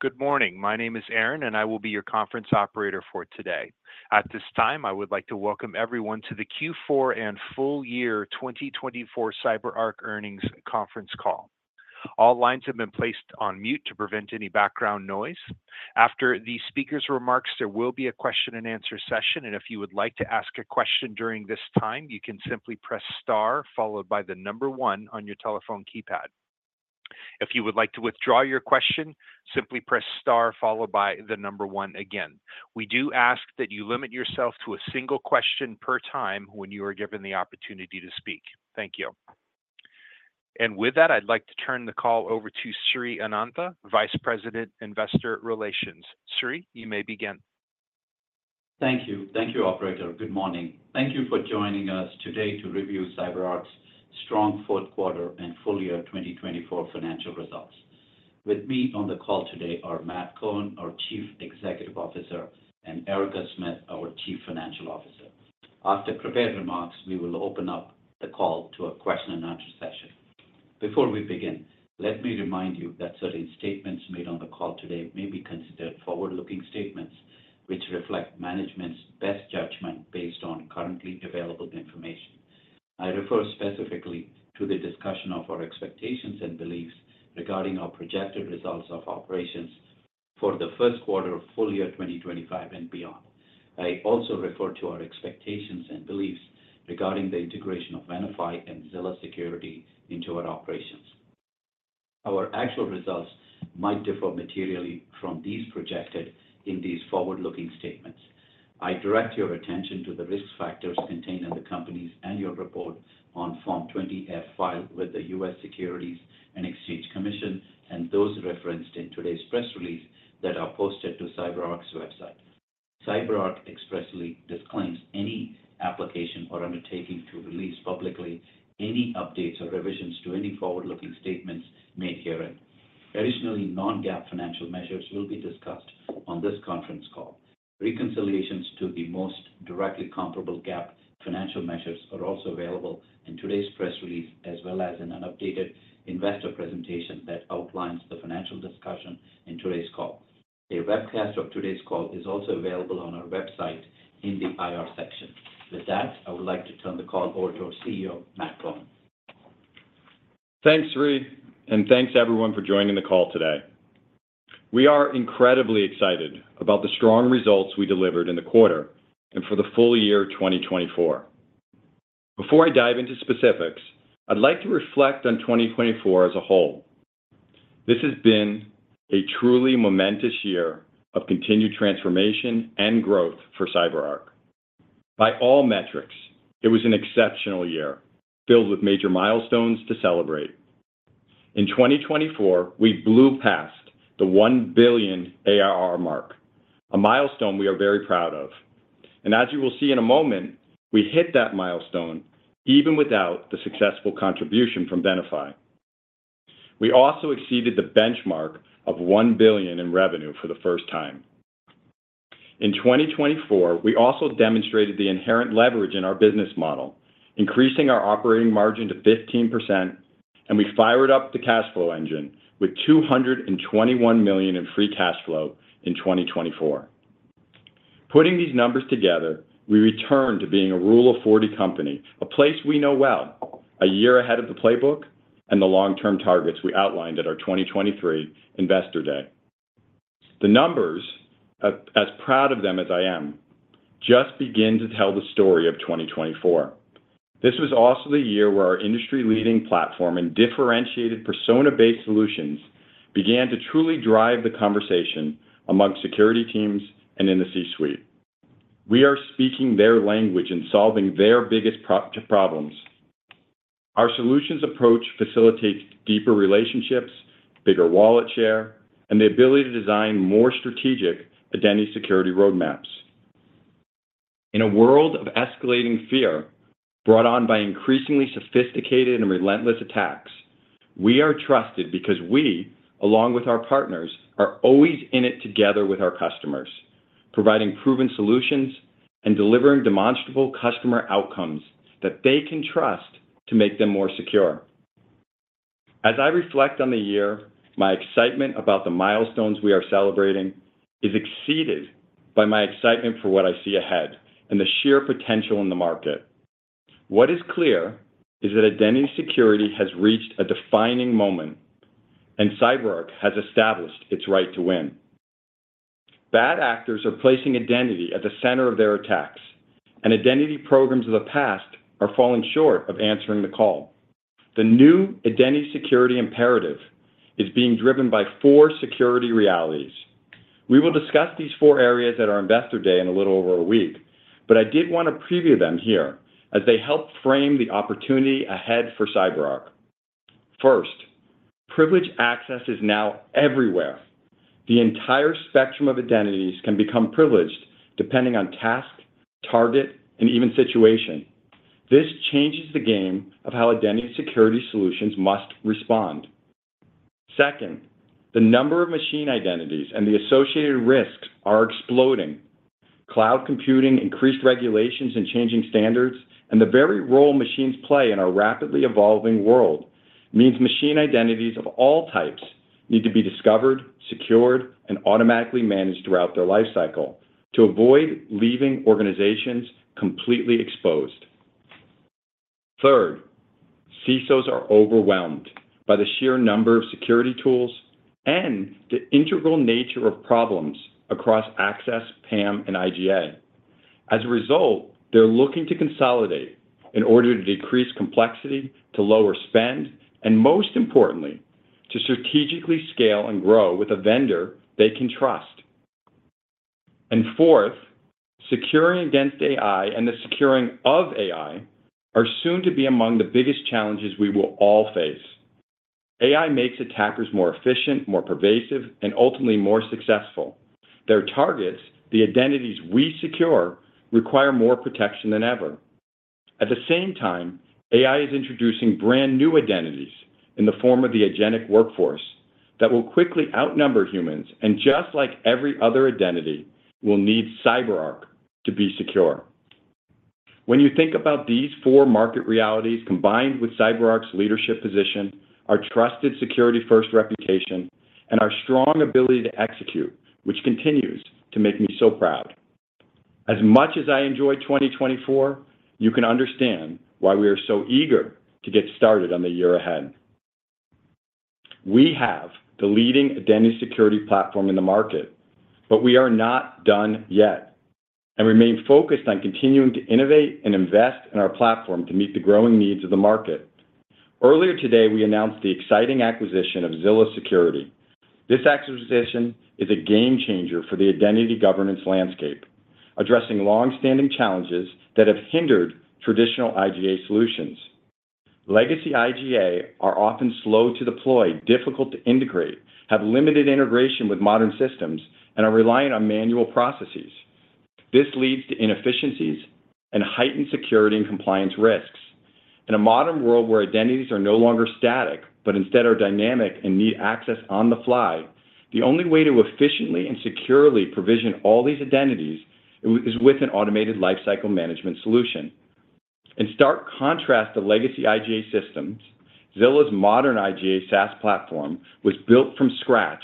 Good morning. My name is Aaron, and I will be your conference operator for today. At this time, I would like to welcome everyone to the Q4 and full-year 2024 CyberArk Earnings Conference call. All lines have been placed on mute to prevent any background noise. After the speaker's remarks, there will be a question-and-answer session, and if you would like to ask a question during this time, you can simply press star followed by the number one on your telephone keypad. If you would like to withdraw your question, simply press star followed by the number one again. We do ask that you limit yourself to a single question per time when you are given the opportunity to speak. Thank you. And with that, I'd like to turn the call over to Sri Anantha, Vice President, Investor Relations. Sri, you may begin. Thank you. Thank you, Operator. Good morning. Thank you for joining us today to review CyberArk's strong fourth quarter and full-year 2024 financial results. With me on the call today are Matt Cohen, our Chief Executive Officer, and Erica Smith, our Chief Financial Officer. After prepared remarks, we will open up the call to a question-and-answer session. Before we begin, let me remind you that certain statements made on the call today may be considered forward-looking statements, which reflect management's best judgment based on currently available information. I refer specifically to the discussion of our expectations and beliefs regarding our projected results of operations for the first quarter and full-year 2025 and beyond. I also refer to our expectations and beliefs regarding the integration of Venafi and Zilla Security into our operations. Our actual results might differ materially from those projected in these forward-looking statements. I direct your attention to the risk factors contained in the company's annual report on Form 20-F filed with the U.S. Securities and Exchange Commission and those referenced in today's press release that are posted to CyberArk's website. CyberArk expressly disclaims any obligation or undertaking to release publicly any updates or revisions to any forward-looking statements made here. Additionally, non-GAAP financial measures will be discussed on this conference call. Reconciliations to the most directly comparable GAAP financial measures are also available in today's press release, as well as in an updated investor presentation that outlines the financial discussion in today's call. A webcast of today's call is also available on our website in the IR section. With that, I would like to turn the call over to our CEO, Matt Cohen. Thanks, Sri, and thanks everyone for joining the call today. We are incredibly excited about the strong results we delivered in the quarter and for the full year 2024. Before I dive into specifics, I'd like to reflect on 2024 as a whole. This has been a truly momentous year of continued transformation and growth for CyberArk. By all metrics, it was an exceptional year filled with major milestones to celebrate. In 2024, we blew past the $1 billion ARR mark, a milestone we are very proud of. And as you will see in a moment, we hit that milestone even without the successful contribution from Venafi. We also exceeded the benchmark of $1 billion in revenue for the first time. In 2024, we also demonstrated the inherent leverage in our business model, increasing our operating margin to 15%, and we fired up the cash flow engine with $221 million in free cash flow in 2024. Putting these numbers together, we returned to being a Rule of 40 company, a place we know well, a year ahead of the playbook and the long-term targets we outlined at our 2023 Investor Day. The numbers, as proud of them as I am, just begin to tell the story of 2024. This was also the year where our industry-leading platform and differentiated persona-based solutions began to truly drive the conversation among security teams and in the C-suite. We are speaking their language and solving their biggest problems. Our solutions approach facilitates deeper relationships, bigger wallet share, and the ability to design more strategic identity security roadmaps. In a world of escalating fear brought on by increasingly sophisticated and relentless attacks, we are trusted because we, along with our partners, are always in it together with our customers, providing proven solutions and delivering demonstrable customer outcomes that they can trust to make them more secure. As I reflect on the year, my excitement about the milestones we are celebrating is exceeded by my excitement for what I see ahead and the sheer potential in the market. What is clear is that identity security has reached a defining moment, and CyberArk has established its right to win. Bad actors are placing identity at the center of their attacks, and identity programs of the past are falling short of answering the call. The new identity security imperative is being driven by four security realities. We will discuss these four areas at our Investor Day in a little over a week, but I did want to preview them here as they help frame the opportunity ahead for CyberArk. First, privilege access is now everywhere. The entire spectrum of identities can become privileged depending on task, target, and even situation. This changes the game of how identity security solutions must respond. Second, the number of machine identities and the associated risks are exploding. Cloud computing, increased regulations, and changing standards, and the very role machines play in our rapidly evolving world means machine identities of all types need to be discovered, secured, and automatically managed throughout their lifecycle to avoid leaving organizations completely exposed. Third, CISOs are overwhelmed by the sheer number of security tools and the integral nature of problems across access, PAM, and IGA. As a result, they're looking to consolidate in order to decrease complexity, to lower spend, and most importantly, to strategically scale and grow with a vendor they can trust. And fourth, securing against AI and the securing of AI are soon to be among the biggest challenges we will all face. AI makes attackers more efficient, more pervasive, and ultimately more successful. Their targets, the identities we secure, require more protection than ever. At the same time, AI is introducing brand new identities in the form of the agentic workforce that will quickly outnumber humans, and just like every other identity, will need CyberArk to be secure. When you think about these four market realities combined with CyberArk's leadership position, our trusted security-first reputation, and our strong ability to execute, which continues to make me so proud. As much as I enjoy 2024, you can understand why we are so eager to get started on the year ahead. We have the leading identity security platform in the market, but we are not done yet and remain focused on continuing to innovate and invest in our platform to meet the growing needs of the market. Earlier today, we announced the exciting acquisition of Zilla Security. This acquisition is a game changer for the identity governance landscape, addressing long-standing challenges that have hindered traditional IGA solutions. Legacy IGA are often slow to deploy, difficult to integrate, have limited integration with modern systems, and are reliant on manual processes. This leads to inefficiencies and heightened security and compliance risks. In a modern world where identities are no longer static, but instead are dynamic and need access on the fly, the only way to efficiently and securely provision all these identities is with an automated lifecycle management solution. In stark contrast to legacy IGA systems, Zilla's modern IGA SaaS platform was built from scratch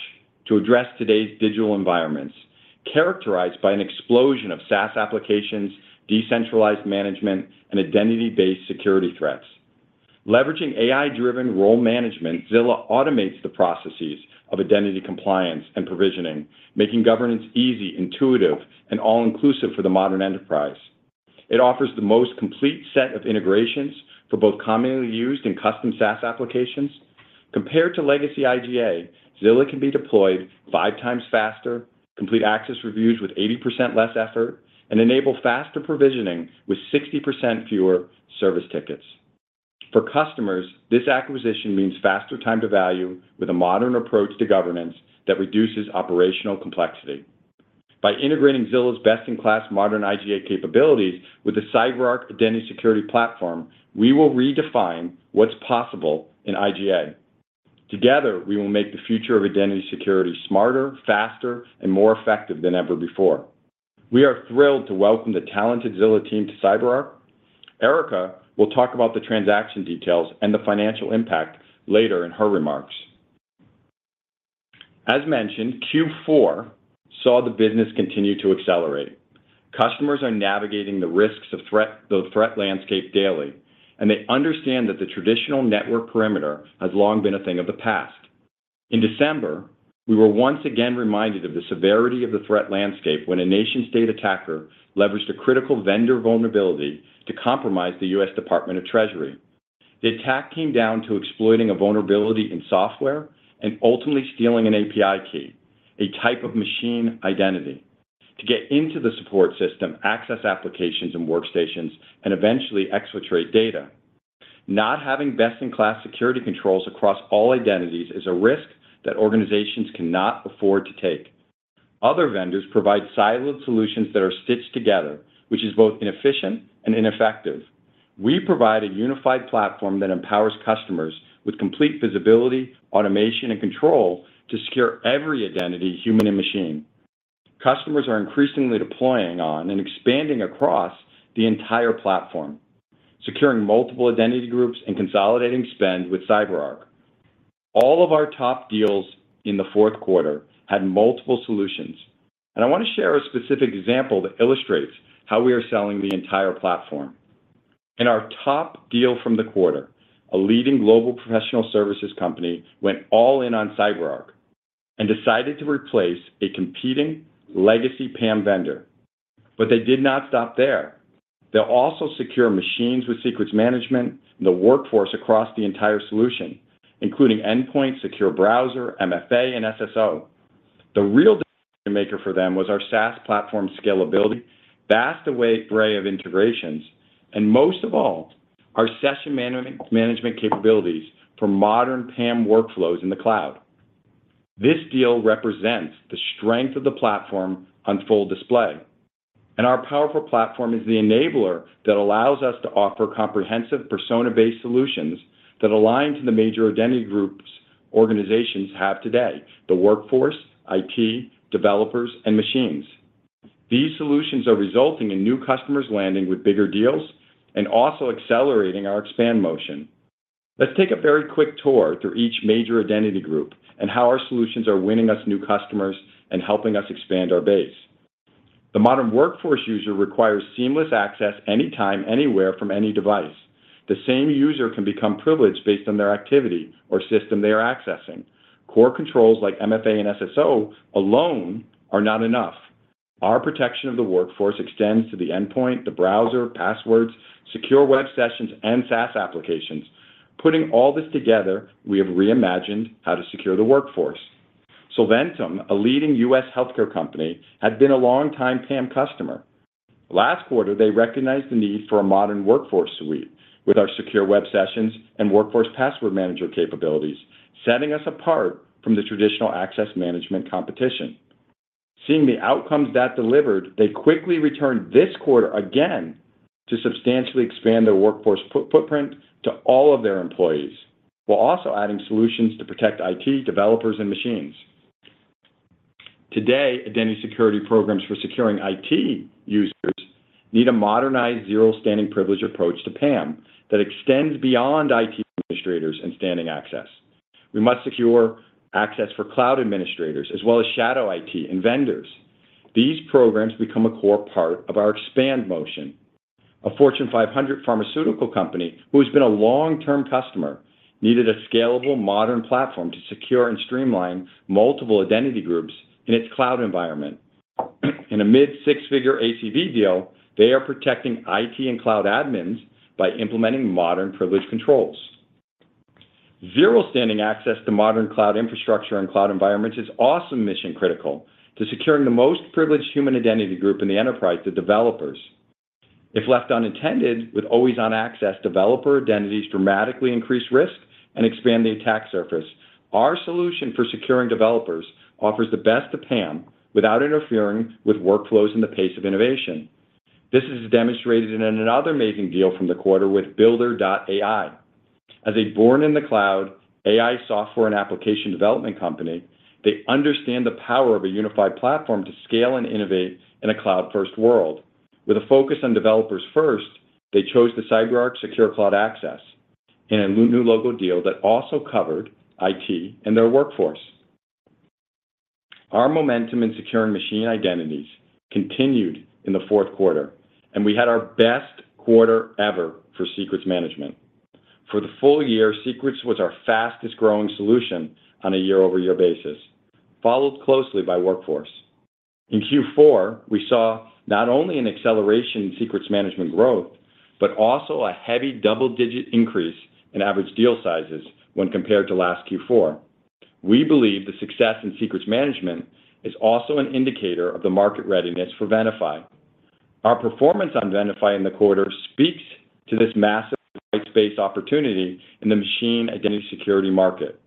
to address today's digital environments, characterized by an explosion of SaaS applications, decentralized management, and identity-based security threats. Leveraging AI-driven role management, Zilla automates the processes of identity compliance and provisioning, making governance easy, intuitive, and all-inclusive for the modern enterprise. It offers the most complete set of integrations for both commonly used and custom SaaS applications. Compared to legacy IGA, Zilla can be deployed five times faster, complete access reviews with 80% less effort, and enable faster provisioning with 60% fewer service tickets. For customers, this acquisition means faster time to value with a modern approach to governance that reduces operational complexity. By integrating Zilla's best-in-class modern IGA capabilities with the CyberArk Identity Security Platform, we will redefine what's possible in IGA. Together, we will make the future of identity security smarter, faster, and more effective than ever before. We are thrilled to welcome the talented Zilla team to CyberArk. Erica will talk about the transaction details and the financial impact later in her remarks. As mentioned, Q4 saw the business continue to accelerate. Customers are navigating the risks of the threat landscape daily, and they understand that the traditional network perimeter has long been a thing of the past. In December, we were once again reminded of the severity of the threat landscape when a nation-state attacker leveraged a critical vendor vulnerability to compromise the U.S. Department of the Treasury. The attack came down to exploiting a vulnerability in software and ultimately stealing an API key, a type of machine identity, to get into the support system, access applications and workstations, and eventually exfiltrate data. Not having best-in-class security controls across all identities is a risk that organizations cannot afford to take. Other vendors provide siloed solutions that are stitched together, which is both inefficient and ineffective. We provide a unified platform that empowers customers with complete visibility, automation, and control to secure every identity, human and machine. Customers are increasingly deploying on and expanding across the entire platform, securing multiple identity groups and consolidating spend with CyberArk. All of our top deals in the fourth quarter had multiple solutions, and I want to share a specific example that illustrates how we are selling the entire platform. In our top deal from the quarter, a leading global professional services company went all in on CyberArk and decided to replace a competing legacy PAM vendor, but they did not stop there. They'll also secure machines with secrets management and the workforce across the entire solution, including endpoint, Secure Browser, MFA, and SSO. The real decision maker for them was our SaaS platform scalability, vast array of integrations, and most of all, our session management capabilities for modern PAM workflows in the cloud. This deal represents the strength of the platform on full display, and our powerful platform is the enabler that allows us to offer comprehensive persona-based solutions that align to the major identity groups organizations have today: the workforce, IT, developers, and machines. These solutions are resulting in new customers landing with bigger deals and also accelerating our expand motion. Let's take a very quick tour through each major identity group and how our solutions are winning us new customers and helping us expand our base. The modern workforce user requires seamless access anytime, anywhere from any device. The same user can become privileged based on their activity or system they are accessing. Core controls like MFA and SSO alone are not enough. Our protection of the workforce extends to the endpoint, the browser, passwords, Secure Web Sessions, and SaaS applications. Putting all this together, we have reimagined how to secure the workforce. Solventum, a leading U.S. healthcare company, had been a longtime PAM customer. Last quarter, they recognized the need for a modern workforce suite with our Secure Web Sessions and Workforce Password Manager capabilities, setting us apart from the traditional access management competition. Seeing the outcomes that delivered, they quickly returned this quarter again to substantially expand their workforce footprint to all of their employees while also adding solutions to protect IT developers and machines. Today, identity security programs for securing IT users need a modernized zero standing privilege approach to PAM that extends beyond IT administrators and standing access. We must secure access for cloud administrators as well as shadow IT and vendors. These programs become a core part of our expand motion. A Fortune 500 pharmaceutical company who has been a long-term customer needed a scalable modern platform to secure and streamline multiple identity groups in its cloud environment. In a mid-six-figure ACV deal, they are protecting IT and cloud admins by implementing modern privilege controls. Zero standing access to modern cloud infrastructure and cloud environments is also mission-critical to securing the most privileged human identity group in the enterprise, the developers. If left unattended with always-on access, developer identities dramatically increase risk and expand the attack surface. Our solution for securing developers offers the best of PAM without interfering with workflows and the pace of innovation. This is demonstrated in another amazing deal from the quarter with Builder.ai. As a born-in-the-cloud AI software and application development company, they understand the power of a unified platform to scale and innovate in a cloud-first world. With a focus on developers first, they chose the CyberArk Secure Cloud Access in a new local deal that also covered IT and their workforce. Our momentum in securing machine identities continued in the fourth quarter, and we had our best quarter ever for secrets management. For the full year, secrets was our fastest-growing solution on a year-over-year basis, followed closely by workforce. In Q4, we saw not only an acceleration in secrets management growth, but also a heavy double-digit increase in average deal sizes when compared to last Q4. We believe the success in secrets management is also an indicator of the market readiness for Venafi. Our performance on Venafi in the quarter speaks to this massive white space opportunity in the machine identity security market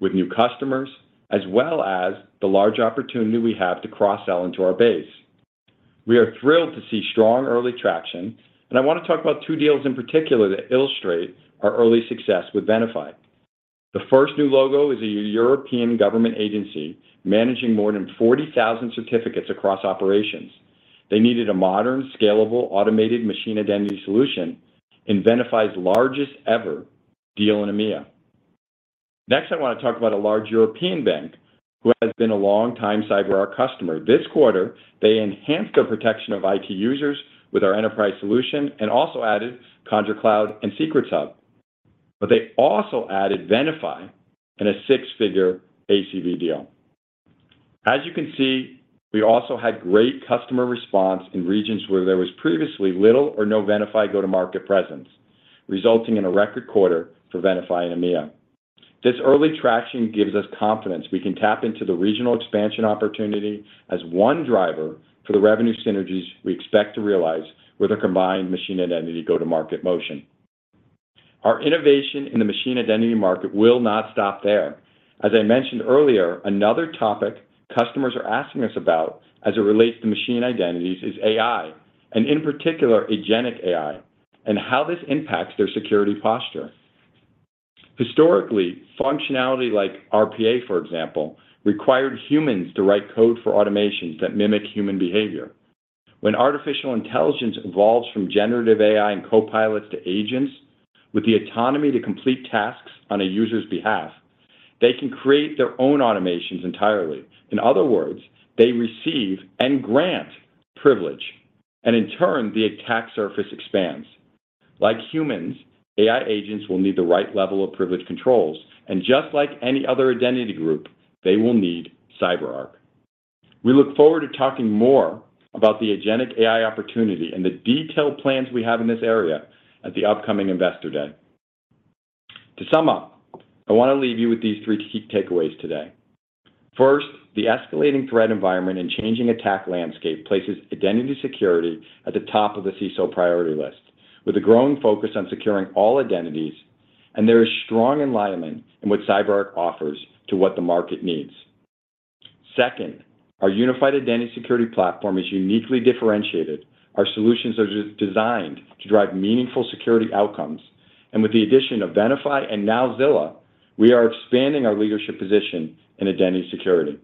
with new customers, as well as the large opportunity we have to cross-sell into our base. We are thrilled to see strong early traction, and I want to talk about two deals in particular that illustrate our early success with Venafi. The first new logo is a European government agency managing more than 40,000 certificates across operations. They needed a modern, scalable, automated machine identity solution, in Venafi's largest ever deal in EMEA. Next, I want to talk about a large European bank who has been a longtime CyberArk customer. This quarter, they enhanced their protection of IT users with our enterprise solution and also added Conjur Cloud and Secrets Hub. But they also added Venafi in a six-figure ACV deal. As you can see, we also had great customer response in regions where there was previously little or no Venafi go-to-market presence, resulting in a record quarter for Venafi in EMEA. This early traction gives us confidence we can tap into the regional expansion opportunity as one driver for the revenue synergies we expect to realize with our combined machine identity go-to-market motion. Our innovation in the machine identity market will not stop there. As I mentioned earlier, another topic customers are asking us about as it relates to machine identities is AI, and in particular, agentic AI, and how this impacts their security posture. Historically, functionality like RPA, for example, required humans to write code for automations that mimic human behavior. When artificial intelligence evolves from generative AI and copilots to agents with the autonomy to complete tasks on a user's behalf, they can create their own automations entirely. In other words, they receive and grant privilege, and in turn, the attack surface expands. Like humans, AI agents will need the right level of privilege controls, and just like any other identity group, they will need CyberArk. We look forward to talking more about the agentic AI opportunity and the detailed plans we have in this area at the upcoming Investor Day. To sum up, I want to leave you with these three key takeaways today. First, the escalating threat environment and changing attack landscape places identity security at the top of the CISO priority list, with a growing focus on securing all identities, and there is strong alignment in what CyberArk offers to what the market needs. Second, our unified identity security platform is uniquely differentiated. Our solutions are designed to drive meaningful security outcomes, and with the addition of Venafi and now Zilla, we are expanding our leadership position in identity security.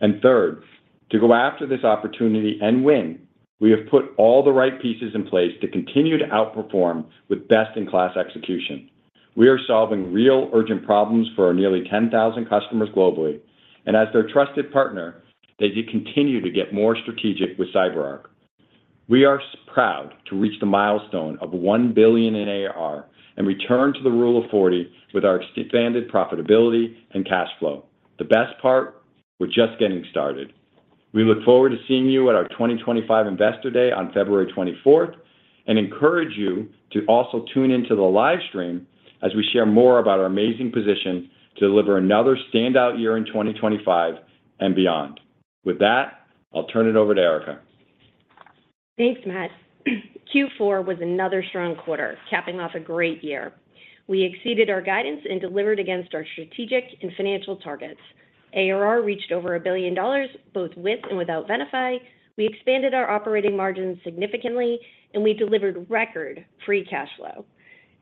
And third, to go after this opportunity and win, we have put all the right pieces in place to continue to outperform with best-in-class execution. We are solving real urgent problems for nearly 10,000 customers globally, and as their trusted partner, they continue to get more strategic with CyberArk. We are proud to reach the milestone of $1 billion in ARR and return to the Rule of 40 with our expanded profitability and cash flow. The best part? We're just getting started. We look forward to seeing you at our 2025 Investor Day on February 24th and encourage you to also tune into the livestream as we share more about our amazing position to deliver another standout year in 2025 and beyond. With that, I'll turn it over to Erica. Thanks, Matt. Q4 was another strong quarter, capping off a great year. We exceeded our guidance and delivered against our strategic and financial targets. ARR reached over $1 billion both with and without Venafi. We expanded our operating margins significantly, and we delivered record free cash flow.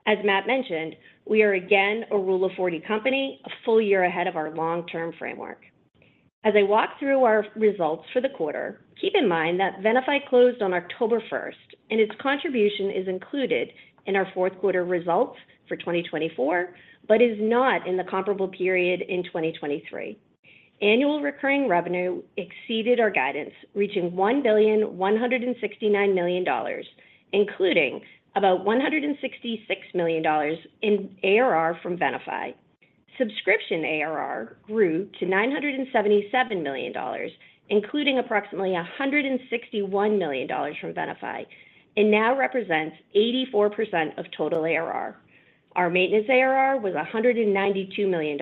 As Matt mentioned, we are again a Rule of 40 company, a full year ahead of our long-term framework. As I walk through our results for the quarter, keep in mind that Venafi closed on October 1st, and its contribution is included in our fourth quarter results for 2024, but is not in the comparable period in 2023. Annual recurring revenue exceeded our guidance, reaching $1,169 million, including about $166 million in ARR from Venafi. Subscription ARR grew to $977 million, including approximately $161 million from Venafi, and now represents 84% of total ARR. Our maintenance ARR was $192 million,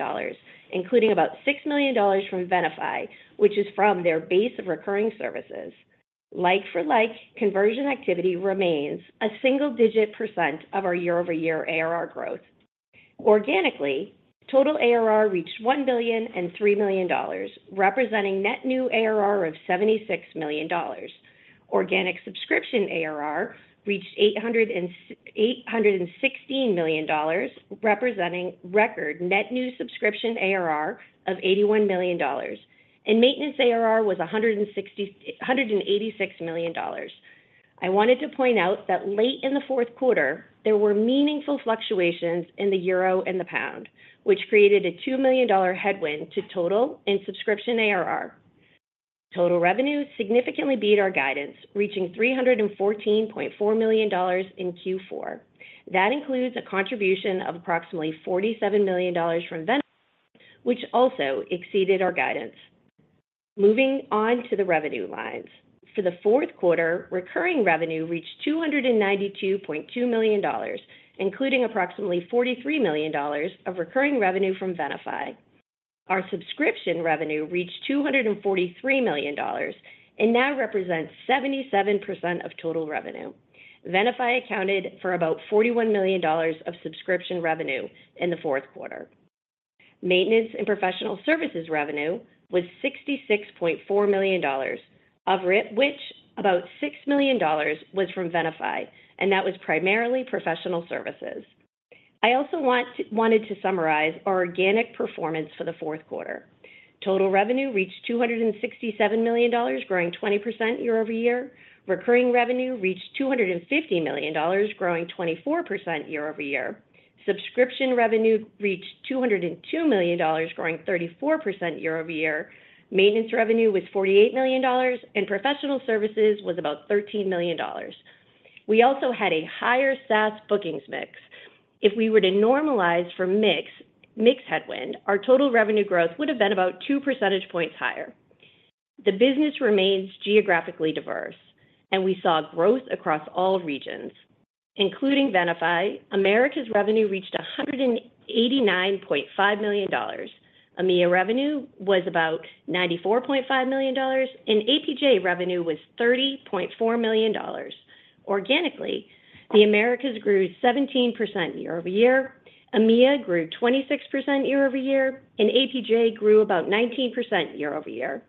including about $6 million from Venafi, which is from their base of recurring services. Like-for-like conversion activity remains a single-digit % of our year-over-year ARR growth. Organically, total ARR reached $1 billion and $3 million, representing net new ARR of $76 million. Organic subscription ARR reached $816 million, representing record net new subscription ARR of $81 million, and maintenance ARR was $186 million. I wanted to point out that late in the fourth quarter, there were meaningful fluctuations in the euro and the pound, which created a $2 million headwind to total and subscription ARR. Total revenue significantly beat our guidance, reaching $314.4 million in Q4. That includes a contribution of approximately $47 million from Venafi, which also exceeded our guidance. Moving on to the revenue lines. For the fourth quarter, recurring revenue reached $292.2 million, including approximately $43 million of recurring revenue from Venafi. Our subscription revenue reached $243 million and now represents 77% of total revenue. Venafi accounted for about $41 million of subscription revenue in the fourth quarter. Maintenance and professional services revenue was $66.4 million, of which about $6 million was from Venafi, and that was primarily professional services. I also wanted to summarize our organic performance for the fourth quarter. Total revenue reached $267 million, growing 20% year-over-year. Recurring revenue reached $250 million, growing 24% year-over-year. Subscription revenue reached $202 million, growing 34% year-over-year. Maintenance revenue was $48 million, and professional services was about $13 million. We also had a higher SaaS bookings mix. If we were to normalize for mix headwind, our total revenue growth would have been about two percentage points higher. The business remains geographically diverse, and we saw growth across all regions, including Venafi. Americas revenue reached $189.5 million. EMEA revenue was about $94.5 million, and APJ revenue was $30.4 million. Organically, the Americas grew 17% year-over-year. EMEA grew 26% year-over-year, and APJ grew about 19% year-over-year.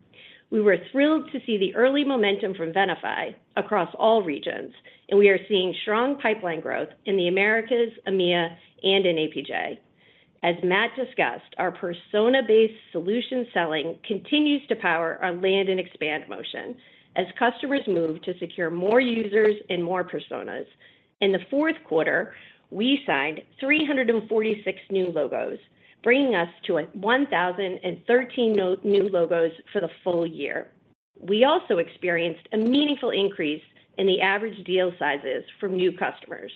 We were thrilled to see the early momentum from Venafi across all regions, and we are seeing strong pipeline growth in the Americas, EMEA, and in APJ. As Matt discussed, our persona-based solution selling continues to power our land and expand motion as customers move to secure more users and more personas. In the fourth quarter, we signed 346 new logos, bringing us to 1,013 new logos for the full year. We also experienced a meaningful increase in the average deal sizes from new customers.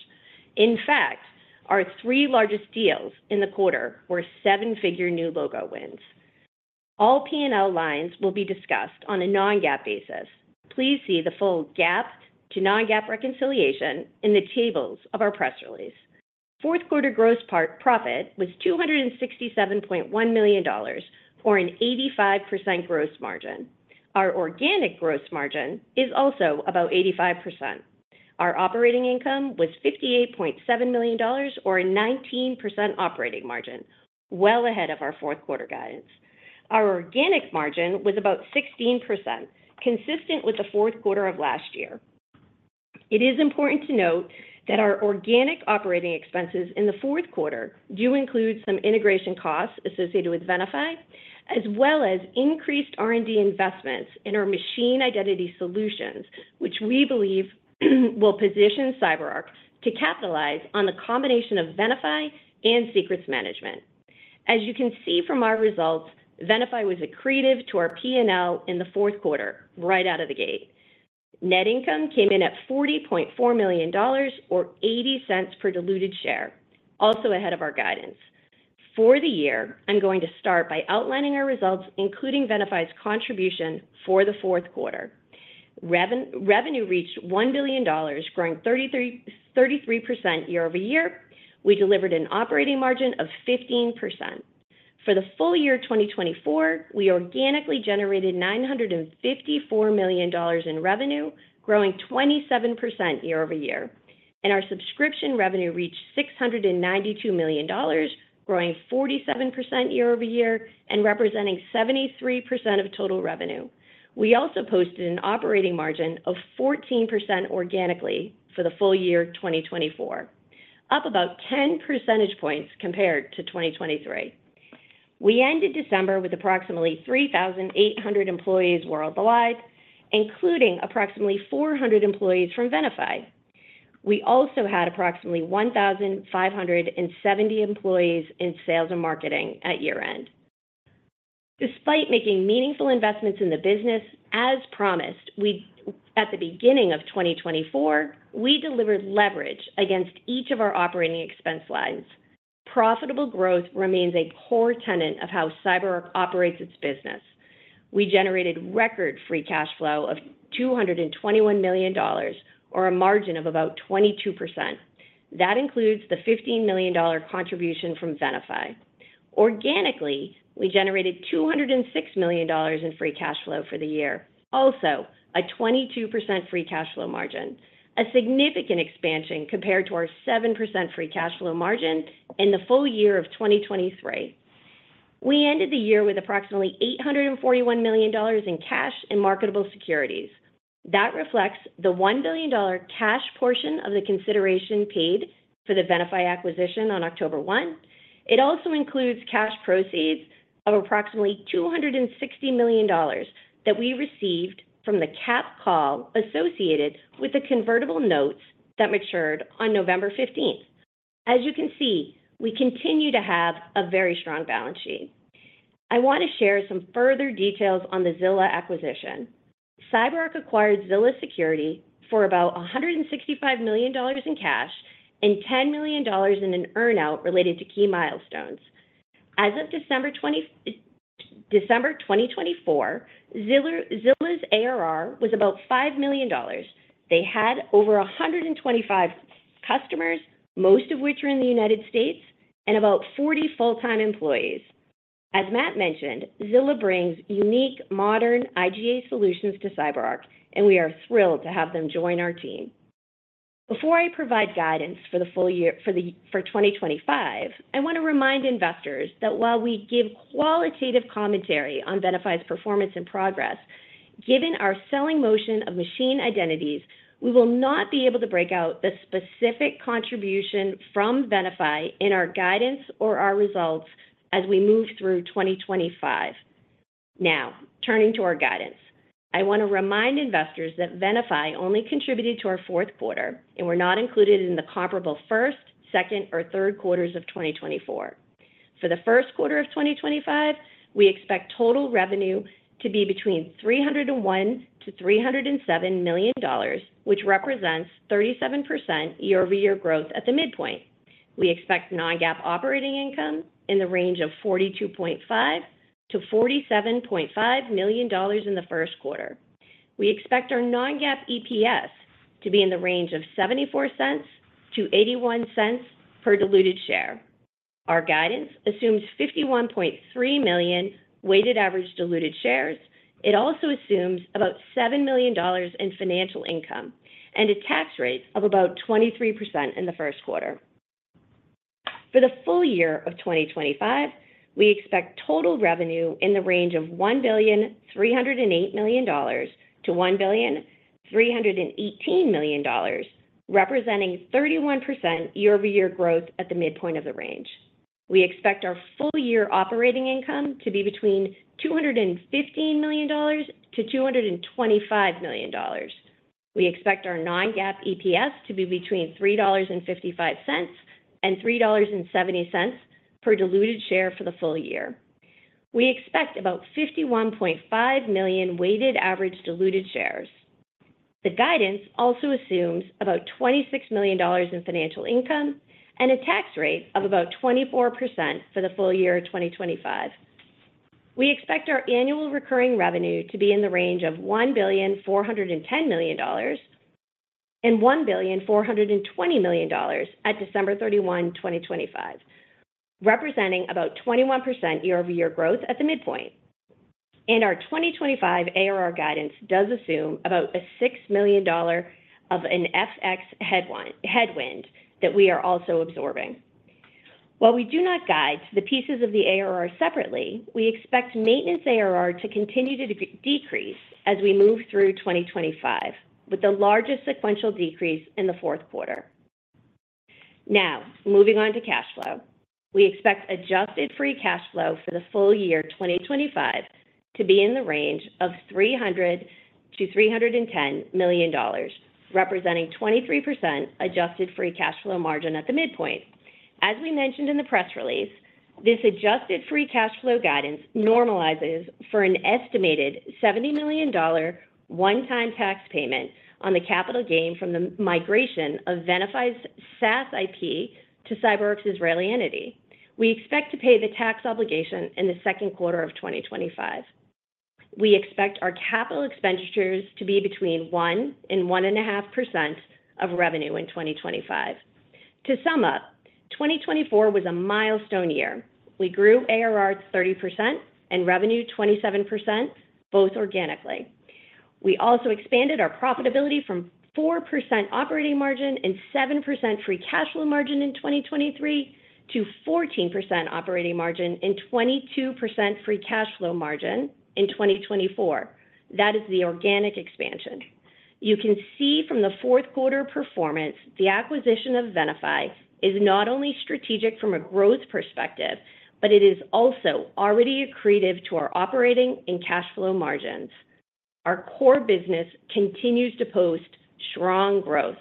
In fact, our three largest deals in the quarter were seven-figure new logo wins. All P&L lines will be discussed on a non-GAAP basis. Please see the full GAAP to non-GAAP reconciliation in the tables of our press release. Fourth quarter gross profit was $267.1 million, or an 85% gross margin. Our organic gross margin is also about 85%. Our operating income was $58.7 million, or a 19% operating margin, well ahead of our fourth quarter guidance. Our organic margin was about 16%, consistent with the fourth quarter of last year. It is important to note that our organic operating expenses in the fourth quarter do include some integration costs associated with Venafi, as well as increased R&D investments in our machine identity solutions, which we believe will position CyberArk to capitalize on the combination of Venafi and secrets management. As you can see from our results, Venafi was accretive to our P&L in the fourth quarter right out of the gate. Net income came in at $40.4 million, or $0.80 per diluted share, also ahead of our guidance. For the year, I'm going to start by outlining our results, including Venafi's contribution for the fourth quarter. Revenue reached $1 billion, growing 33% year-over-year. We delivered an operating margin of 15%. For the full year 2024, we organically generated $954 million in revenue, growing 27% year-over-year. Our subscription revenue reached $692 million, growing 47% year-over-year and representing 73% of total revenue. We also posted an operating margin of 14% organically for the full year 2024, up about 10 percentage points compared to 2023. We ended December with approximately 3,800 employees worldwide, including approximately 400 employees from Venafi. We also had approximately 1,570 employees in sales and marketing at year-end. Despite making meaningful investments in the business, as promised, at the beginning of 2024, we delivered leverage against each of our operating expense lines. Profitable growth remains a core tenet of how CyberArk operates its business. We generated record free cash flow of $221 million, or a margin of about 22%. That includes the $15 million contribution from Venafi. Organically, we generated $206 million in free cash flow for the year, also a 22% free cash flow margin, a significant expansion compared to our 7% free cash flow margin in the full year of 2023. We ended the year with approximately $841 million in cash and marketable securities. That reflects the $1 billion cash portion of the consideration paid for the Venafi acquisition on October 1. It also includes cash proceeds of approximately $260 million that we received from the capped call associated with the convertible notes that matured on November 15th. As you can see, we continue to have a very strong balance sheet. I want to share some further details on the Zilla acquisition. CyberArk acquired Zilla Security for about $165 million in cash and $10 million in an earnout related to key milestones. As of December 2024, Zilla's ARR was about $5 million. They had over 125 customers, most of which were in the United States, and about 40 full-time employees. As Matt mentioned, Zilla brings unique modern IGA solutions to CyberArk, and we are thrilled to have them join our team. Before I provide guidance for the full year for 2025, I want to remind investors that while we give qualitative commentary on Venafi's performance and progress, given our selling motion of machine identities, we will not be able to break out the specific contribution from Venafi in our guidance or our results as we move through 2025. Now, turning to our guidance, I want to remind investors that Venafi only contributed to our fourth quarter, and we're not included in the comparable first, second, or third quarters of 2024. For the first quarter of 2025, we expect total revenue to be between $301-$307 million, which represents 37% year-over-year growth at the midpoint. We expect non-GAAP operating income in the range of $42.5-$47.5 million in the first quarter. We expect our non-GAAP EPS to be in the range of $0.74-$0.81 per diluted share. Our guidance assumes 51.3 million weighted average diluted shares. It also assumes about $7 million in financial income and a tax rate of about 23% in the first quarter. For the full year of 2025, we expect total revenue in the range of $1,308-$1,318 million, representing 31% year-over-year growth at the midpoint of the range. We expect our full year operating income to be between $215-$225 million. We expect our non-GAAP EPS to be between $3.55 and $3.70 per diluted share for the full year. We expect about $51.5 million weighted average diluted shares. The guidance also assumes about $26 million in financial income and a tax rate of about 24% for the full year of 2025. We expect our annual recurring revenue to be in the range of $1,410 million and $1,420 million at December 31, 2025, representing about 21% year-over-year growth at the midpoint. And our 2025 ARR guidance does assume about a $6 million of an FX headwind that we are also absorbing. While we do not guide the pieces of the ARR separately, we expect maintenance ARR to continue to decrease as we move through 2025, with the largest sequential decrease in the fourth quarter. Now, moving on to cash flow, we expect adjusted free cash flow for the full year 2025 to be in the range of $300-$310 million, representing 23% adjusted free cash flow margin at the midpoint. As we mentioned in the press release, this adjusted free cash flow guidance normalizes for an estimated $70 million one-time tax payment on the capital gain from the migration of Venafi's SaaS IP to CyberArk's Israeli entity. We expect to pay the tax obligation in the second quarter of 2025. We expect our capital expenditures to be between 1%-1.5% of revenue in 2025. To sum up, 2024 was a milestone year. We grew ARR 30% and revenue 27%, both organically. We also expanded our profitability from 4% operating margin and 7% free cash flow margin in 2023 to 14% operating margin and 22% free cash flow margin in 2024. That is the organic expansion. You can see from the fourth quarter performance, the acquisition of Venafi is not only strategic from a growth perspective, but it is also already accretive to our operating and cash flow margins. Our core business continues to post strong growth.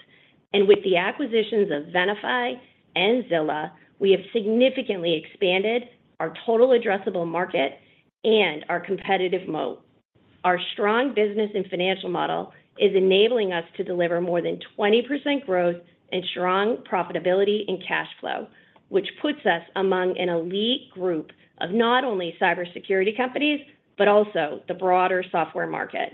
And with the acquisitions of Venafi and Zilla, we have significantly expanded our total addressable market and our competitive moat. Our strong business and financial model is enabling us to deliver more than 20% growth and strong profitability in cash flow, which puts us among an elite group of not only cybersecurity companies, but also the broader software market.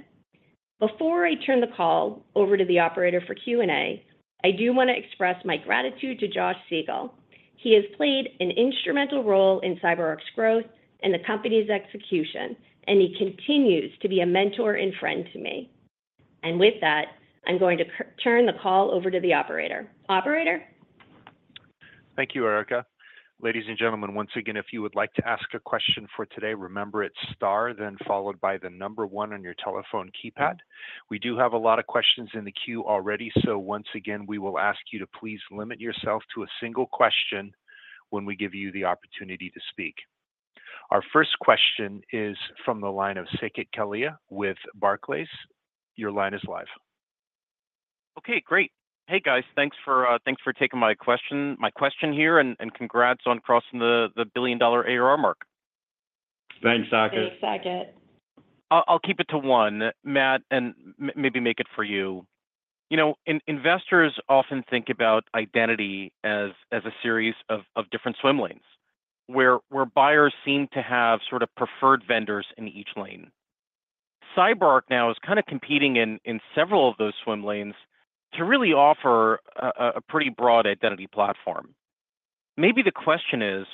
Before I turn the call over to the operator for Q&A, I do want to express my gratitude to Josh Siegel. He has played an instrumental role in CyberArk's growth and the company's execution, and he continues to be a mentor and friend to me. And with that, I'm going to turn the call over to the operator. Operator. Thank you, Erica. Ladies and gentlemen, once again, if you would like to ask a question for today, remember it's star, then followed by the number one on your telephone keypad. We do have a lot of questions in the queue already, so once again, we will ask you to please limit yourself to a single question when we give you the opportunity to speak. Our first question is from the line of Saket Kalia with Barclays. Your line is live. Okay, great. Hey, guys, thanks for taking my question here and congrats on crossing the billion-dollar ARR mark. Thanks, I'll keep it to one, Matt, and maybe make it for you. You know, investors often think about identity as a series of different swim lanes, where buyers seem to have sort of preferred vendors in each lane. CyberArk now is kind of competing in several of those swim lanes to really offer a pretty broad identity platform. Maybe the question is,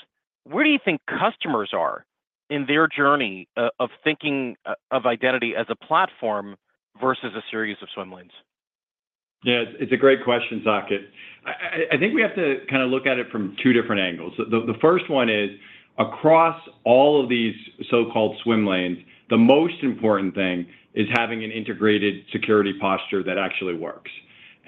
where do you think customers are in their journey of thinking of identity as a platform versus a series of swim lanes? Yeah, it's a great question, Saket. I think we have to kind of look at it from two different angles. The first one is, across all of these so-called swim lanes, the most important thing is having an integrated security posture that actually works,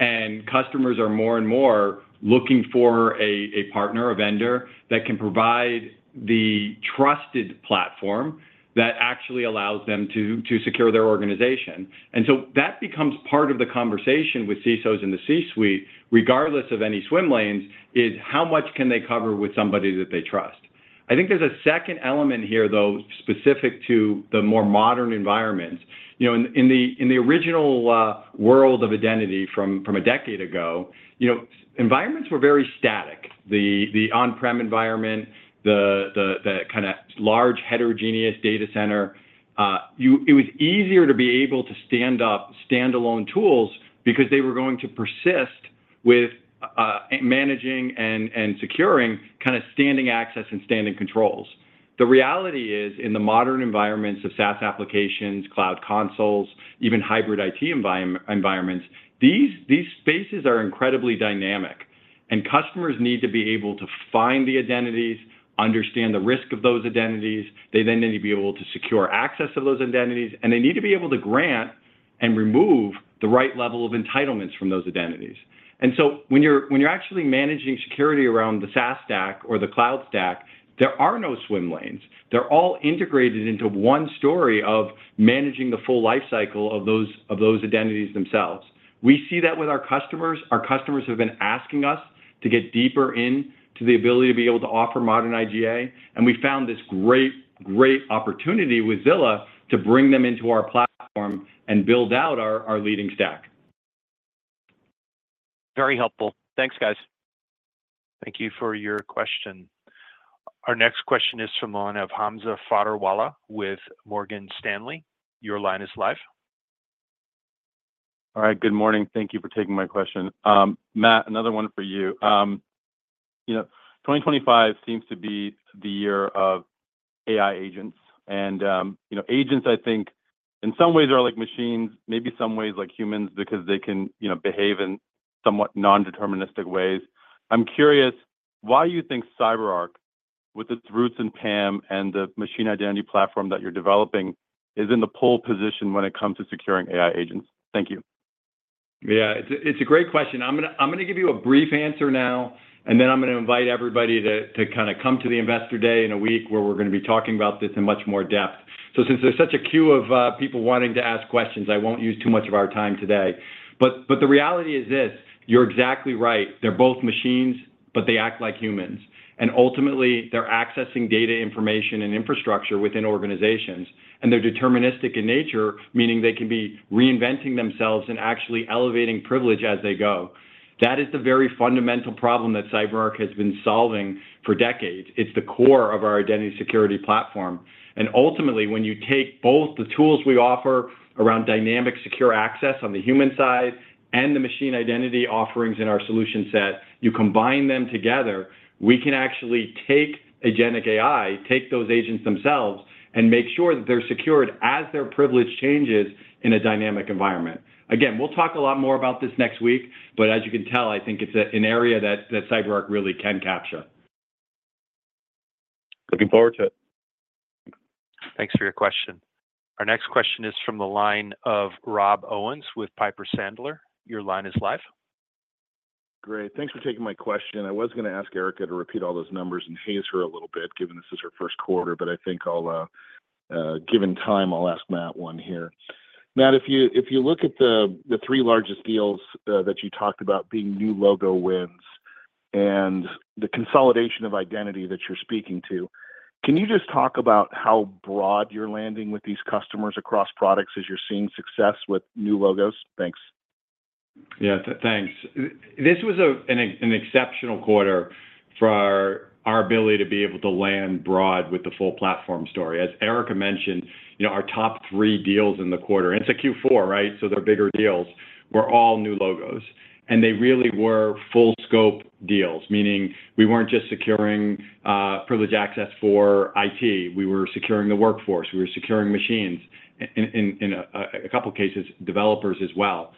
and customers are more and more looking for a partner, a vendor that can provide the trusted platform that actually allows them to secure their organization. And so that becomes part of the conversation with CISOs in the C-suite, regardless of any swim lanes, is how much can they cover with somebody that they trust. I think there's a second element here, though, specific to the more modern environments. In the original world of identity from a decade ago, environments were very static. The on-prem environment, the kind of large heterogeneous data center, it was easier to be able to stand up standalone tools because they were going to persist with managing and securing kind of standing access and standing controls. The reality is, in the modern environments of SaaS applications, cloud consoles, even hybrid IT environments, these spaces are incredibly dynamic. And customers need to be able to find the identities, understand the risk of those identities. They then need to be able to secure access to those identities, and they need to be able to grant and remove the right level of entitlements from those identities. And so when you're actually managing security around the SaaS stack or the cloud stack, there are no swim lanes. They're all integrated into one story of managing the full lifecycle of those identities themselves. We see that with our customers. Our customers have been asking us to get deeper into the ability to be able to offer modern IGA. And we found this great, great opportunity with Zilla to bring them into our platform and build out our leading stack. Very helpful. Thanks, guys. Thank you for your question. Our next question is from Hamza Fodderwala with Morgan Stanley. Your line is live. All right, good morning. Thank you for taking my question. Matt, another one for you. 2025 seems to be the year of AI agents. And agents, I think, in some ways are like machines, maybe some ways like humans because they can behave in somewhat non-deterministic ways. I'm curious why you think CyberArk, with its roots in PAM and the machine identity platform that you're developing, is in the pole position when it comes to securing AI agents. Thank you. Yeah, it's a great question. I'm going to give you a brief answer now, and then I'm going to invite everybody to kind of come to the Investor Day in a week where we're going to be talking about this in much more depth. So since there's such a queue of people wanting to ask questions, I won't use too much of our time today. But the reality is this. You're exactly right. They're both machines, but they act like humans. And ultimately, they're accessing data, information, and infrastructure within organizations. And they're deterministic in nature, meaning they can be reinventing themselves and actually elevating privilege as they go. That is the very fundamental problem that CyberArk has been solving for decades. It's the core of our identity security platform. And ultimately, when you take both the tools we offer around dynamic secure access on the human side and the machine identity offerings in our solution set, you combine them together, we can actually take agentic AI, take those agents themselves, and make sure that they're secured as their privilege changes in a dynamic environment. Again, we'll talk a lot more about this next week, but as you can tell, I think it's an area that CyberArk really can capture. Looking forward to it. Thanks for your question. Our next question is from the line of Rob Owens with Piper Sandler. Your line is live. Great. Thanks for taking my question. I was going to ask Erica to repeat all those numbers and haze her a little bit, given this is her first quarter, but I think given time, I'll ask Matt one here. Matt, if you look at the three largest deals that you talked about being new logo wins and the consolidation of identity that you're speaking to, can you just talk about how broad you're landing with these customers across products as you're seeing success with new logos? Thanks. Yeah, thanks. This was an exceptional quarter for our ability to be able to land broad with the full platform story. As Erica mentioned, our top three deals in the quarter, and it's a Q4, right? So they're bigger deals, were all new logos. They really were full-scope deals, meaning we weren't just securing privileged access for IT. We were securing the workforce. We were securing machines. In a couple of cases, developers as well.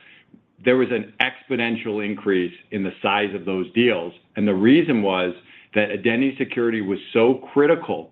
There was an exponential increase in the size of those deals. The reason was that identity security was so critical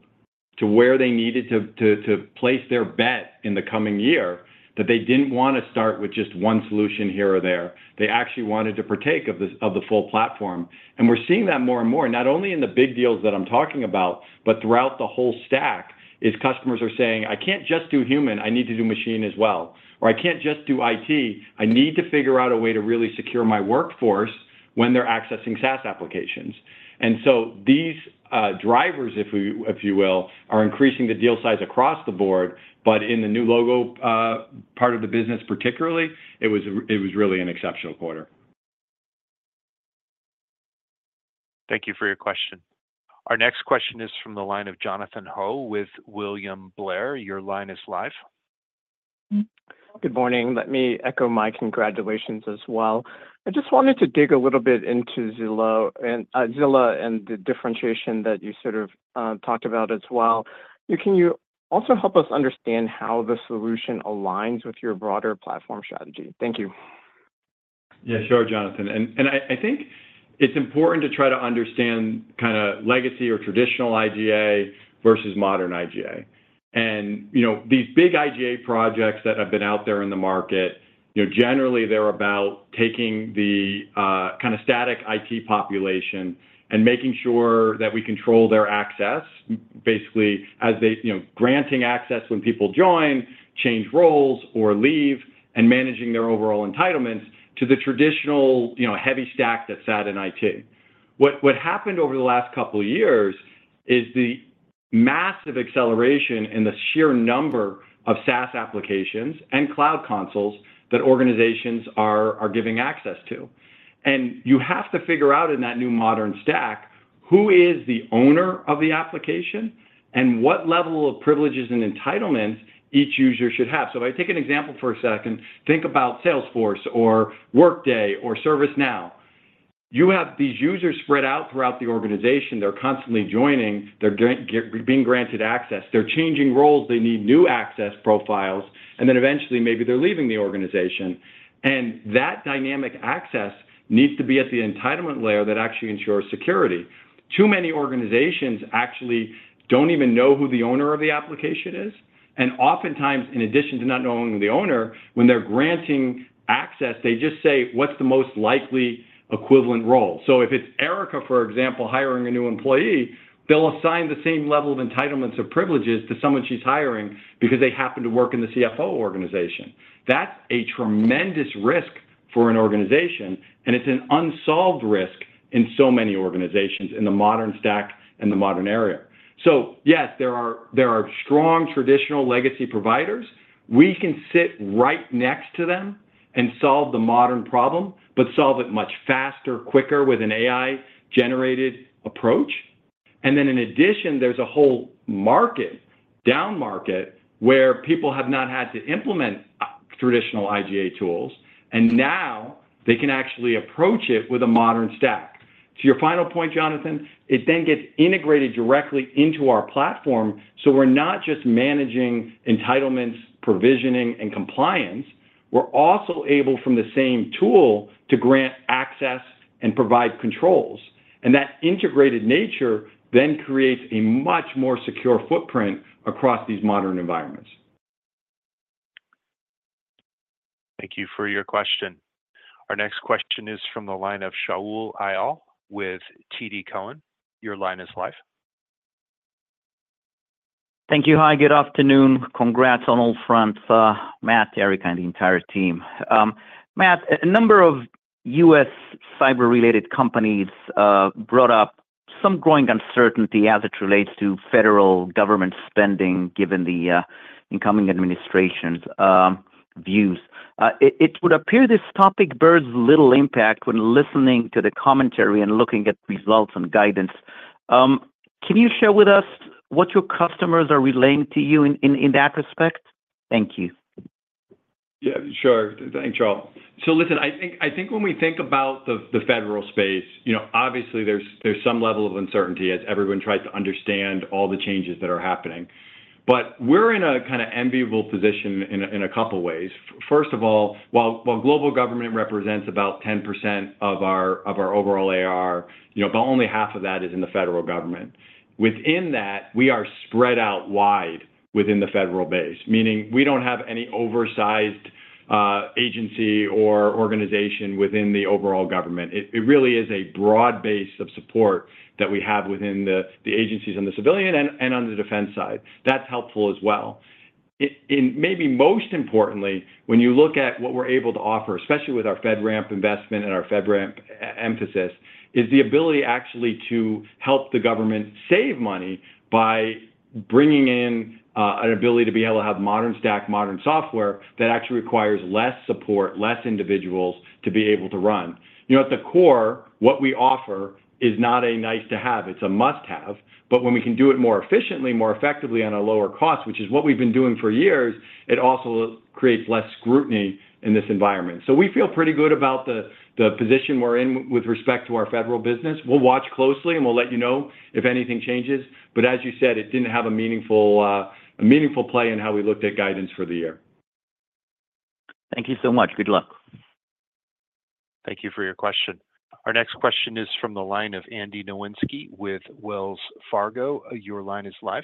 to where they needed to place their bet in the coming year that they didn't want to start with just one solution here or there. They actually wanted to partake of the full platform. We're seeing that more and more, not only in the big deals that I'm talking about, but throughout the whole stack, as customers are saying, "I can't just do human. I need to do machine as well." Or, "I can't just do IT. I need to figure out a way to really secure my workforce when they're accessing SaaS applications." And so these drivers, if you will, are increasing the deal size across the board, but in the new logo part of the business particularly, it was really an exceptional quarter. Thank you for your question. Our next question is from the line of Jonathan Ho with William Blair. Your line is live. Good morning. Let me echo my congratulations as well. I just wanted to dig a little bit into Zilla and the differentiation that you sort of talked about as well. Can you also help us understand how the solution aligns with your broader platform strategy? Thank you. Yeah, sure, Jonathan. And I think it's important to try to understand kind of legacy or traditional IGA versus modern IGA. These big IGA projects that have been out there in the market, generally, they're about taking the kind of static IT population and making sure that we control their access, basically as they grant access when people join, change roles, or leave, and managing their overall entitlements to the traditional heavy stack that sat in IT. What happened over the last couple of years is the massive acceleration in the sheer number of SaaS applications and cloud consoles that organizations are giving access to. You have to figure out in that new modern stack who is the owner of the application and what level of privileges and entitlements each user should have. If I take an example for a second, think about Salesforce or Workday or ServiceNow. You have these users spread out throughout the organization. They're constantly joining. They're being granted access. They're changing roles. They need new access profiles, and then eventually, maybe they're leaving the organization, and that dynamic access needs to be at the entitlement layer that actually ensures security. Too many organizations actually don't even know who the owner of the application is, and oftentimes, in addition to not knowing the owner, when they're granting access, they just say, "What's the most likely equivalent role?" So if it's Erica, for example, hiring a new employee, they'll assign the same level of entitlements or privileges to someone she's hiring because they happen to work in the CFO organization. That's a tremendous risk for an organization, and it's an unsolved risk in so many organizations in the modern stack and the modern era, so yes, there are strong traditional legacy providers. We can sit right next to them and solve the modern problem, but solve it much faster, quicker with an AI-generated approach. And then in addition, there's a whole market, down market, where people have not had to implement traditional IGA tools. And now they can actually approach it with a modern stack. To your final point, Jonathan, it then gets integrated directly into our platform. So we're not just managing entitlements, provisioning, and compliance. We're also able, from the same tool, to grant access and provide controls. And that integrated nature then creates a much more secure footprint across these modern environments. Thank you for your question. Our next question is from the line of Shaul Eyal with TD Cowen. Your line is live. Thank you. Hi, good afternoon. Congrats on all fronts, Matt, Erica, and the entire team. Matt, a number of U.S. Cyber-Related companies brought up some growing uncertainty as it relates to federal government spending given the incoming administration's views. It would appear this topic bears little impact when listening to the commentary and looking at results and guidance. Can you share with us what your customers are relaying to you in that respect? Thank you. Yeah, sure. Thanks, Shaul. So listen, I think when we think about the federal space, obviously, there's some level of uncertainty as everyone tries to understand all the changes that are happening. But we're in a kind of enviable position in a couple of ways. First of all, while global government represents about 10% of our overall AR, about only half of that is in the federal government. Within that, we are spread out wide within the federal base, meaning we don't have any oversized agency or organization within the overall government. It really is a broad base of support that we have within the agencies on the civilian and on the defense side. That's helpful as well, and maybe most importantly, when you look at what we're able to offer, especially with our FedRAMP investment and our FedRAMP emphasis, is the ability actually to help the government save money by bringing in an ability to be able to have modern stack, modern software that actually requires less support, less individuals to be able to run. At the core, what we offer is not a nice-to-have. It's a must-have, but when we can do it more efficiently, more effectively on a lower cost, which is what we've been doing for years, it also creates less scrutiny in this environment, so we feel pretty good about the position we're in with respect to our federal business. We'll watch closely, and we'll let you know if anything changes. But as you said, it didn't have a meaningful play in how we looked at guidance for the year. Thank you so much. Good luck. Thank you for your question. Our next question is from the line of Andrew Nowinski with Wells Fargo. Your line is live.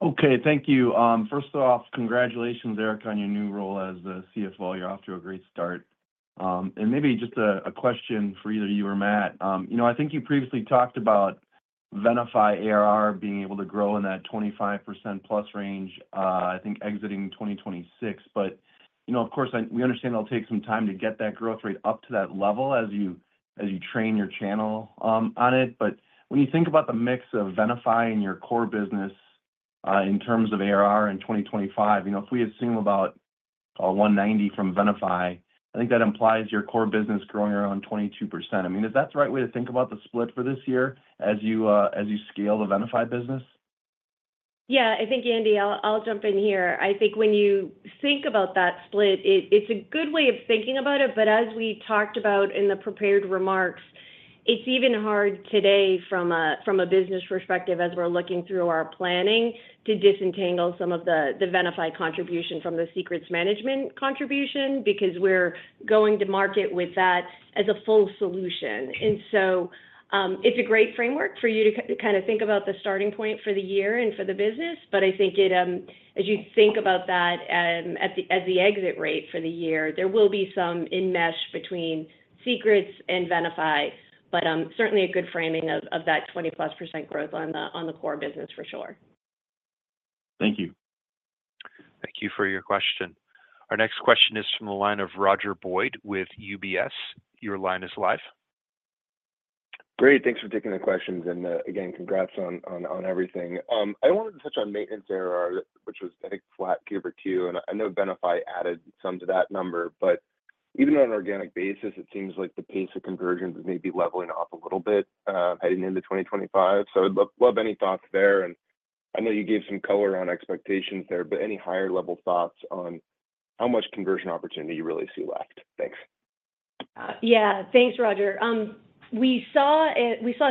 Okay, thank you. First off, congratulations, Erica, on your new role as the CFO. You're off to a great start. And maybe just a question for either you or Matt. I think you previously talked about Venafi ARR being able to grow in that 25% plus range, I think exiting 2026. But of course, we understand it'll take some time to get that growth rate up to that level as you train your channel on it. But when you think about the mix of Venafi and your core business in terms of ARR in 2025, if we assume about $190 million from Venafi, I think that implies your core business growing around 22%. I mean, is that the right way to think about the split for this year as you scale the Venafi business? Yeah, I think, Andy, I'll jump in here. I think when you think about that split, it's a good way of thinking about it. But as we talked about in the prepared remarks, it's even hard today from a business perspective as we're looking through our planning to disentangle some of the Venafi contribution from the secrets management contribution because we're going to market with that as a full solution. And so it's a great framework for you to kind of think about the starting point for the year and for the business. But I think as you think about that as the exit rate for the year, there will be some enmesh between secrets and Venafi, but certainly a good framing of that 20+% growth on the core business for sure. Thank you. Thank you for your question. Our next question is from the line of Roger Boyd with UBS. Your line is live. Great. Thanks for taking the questions. And again, congrats on everything. I wanted to touch on maintenance revenue, which was, I think, flat Q over Q. And I know Venafi added some to that number, but even on an organic basis, it seems like the pace of conversions is maybe leveling off a little bit heading into 2025. So I'd love any thoughts there. And I know you gave some color on expectations there, but any higher-level thoughts on how much conversion opportunity you really see left? Thanks. Yeah, thanks, Roger. We saw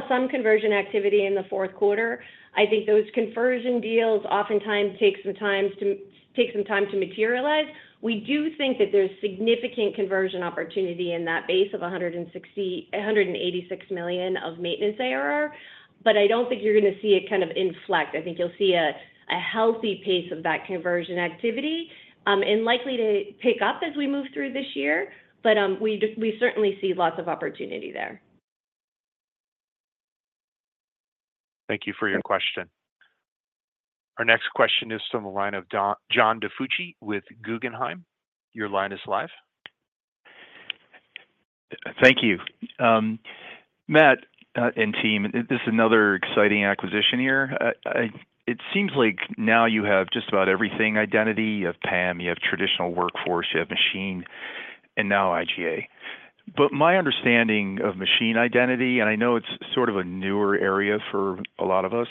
some conversion activity in the fourth quarter. I think those conversion deals oftentimes take some time to materialize. We do think that there's significant conversion opportunity in that base of $186 million of maintenance ARR, but I don't think you're going to see it kind of inflect. I think you'll see a healthy pace of that conversion activity and likely to pick up as we move through this year, but we certainly see lots of opportunity there. Thank you for your question. Our next question is from the line of John DiFucci with Guggenheim. Your line is live. Thank you. Matt and team, this is another exciting acquisition here. It seems like now you have just about everything: identity. You have PAM. You have traditional workforce. You have machine. And now IGA. But my understanding of machine identity, and I know it's sort of a newer area for a lot of us,